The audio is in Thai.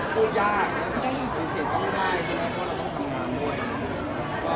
พูดยากและก็ไม่ได้ดีติเศษต้องกันได้แค่ว่าเราต้องทำงานด้วย